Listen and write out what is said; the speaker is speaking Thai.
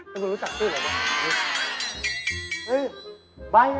กูรู้จักตืออะไรวะ